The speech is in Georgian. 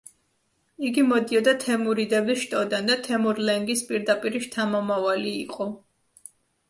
იგი მოდიოდა თემურიდების შტოდან და თემურლენგის პირდაპირი შთამომავალი იყო.